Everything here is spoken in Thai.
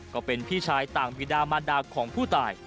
ก็เป็นพี่ชายต่างบีดามารดาของผู้ตาย